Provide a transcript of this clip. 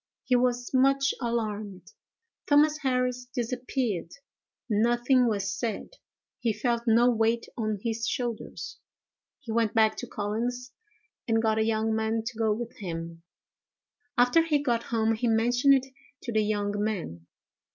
He was much alarmed. Thomas Harris disappeared. Nothing was said. He felt no weight on his shoulders. He went back to Collins's, and got a young man to go with him. After he got home he mentioned it to the young man.